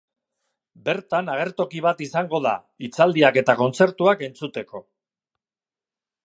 Bertan agertoki bat izango da, hitzaldiak eta kontzertuak entzuteko.